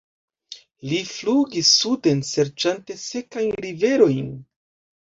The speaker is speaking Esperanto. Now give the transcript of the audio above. Li flugis suden serĉante sekajn riverojn.